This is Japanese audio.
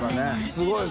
すごいな。